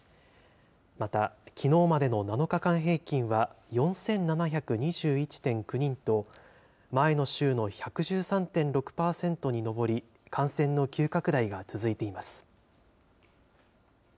また、きのうまでの７日間平均は４７２１．９人と、前の週の１１３．６％に上り、感染の急拡大が続いています。